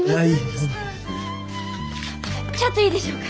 ちょっといいでしょうか。